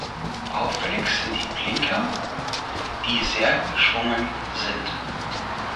Auffällig sind die Blinker, die sehr "geschwungen" sind.